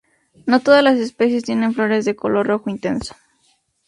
No todas las especies tienen flores de color rojo intenso.